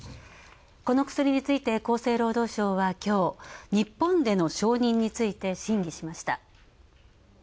この薬について厚生労働省は、きょう、日本での承認について審議しました。